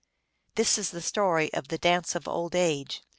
This is the story of the Dance of Old Age.